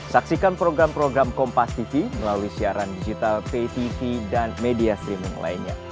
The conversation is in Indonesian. saksikan program program kompastv melalui siaran digital ptv dan media streaming lainnya